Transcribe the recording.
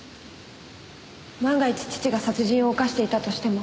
万が一父が殺人を犯していたとしても。